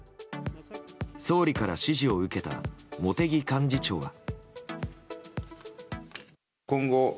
総理から指示を受けた茂木幹事長は。